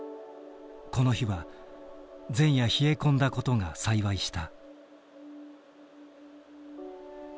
この日は前夜冷え込んだ事が幸いした。